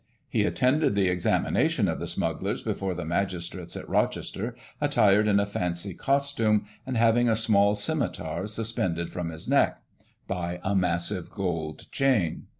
He attended the examination of the smugglers before the magistrates at Rochester, attired in a fancy costume, and having a small scimitar suspended from his neck, by a massive gold chain.